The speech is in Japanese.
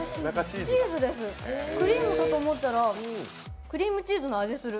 クリームかと思ったらクリームチーズのアジする。